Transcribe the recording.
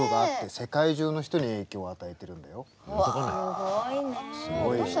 すごい人。